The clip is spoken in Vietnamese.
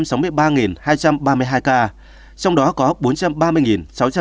trong đó có bốn trăm ba mươi sáu trăm chín mươi một bệnh nhân đã được công bố khỏi bệnh